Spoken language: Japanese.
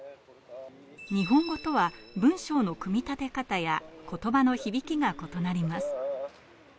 日本語とは文章の組み立て方や言葉の響きが異なります。